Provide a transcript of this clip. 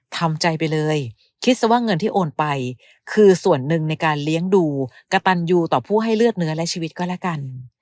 ทำใจไปเลยคิดซะว่าเงินที่โอนไปคือส่วนหนึ่งในการเลี้ยงดูกระตันยูต่อผู้ให้เลือดเนื้อและชีวิตก็แล้วกัน